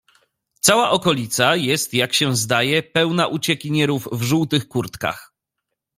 "Cała okolica, jest jak się zdaje, pełna uciekinierów w żółtych kurtkach."